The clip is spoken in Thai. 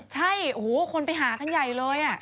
ใช่โหคนไปหาครั้งใหญ่เลยอ่ะ